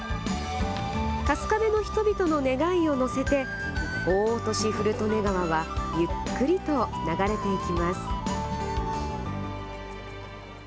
春日部の人々の願いを乗せて大落古利根川はゆっくりと流れていきます。